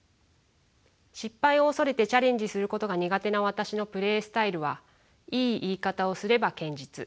失敗を恐れてチャレンジすることが苦手な私のプレースタイルはいい言い方をすれば堅実。